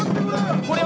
これは？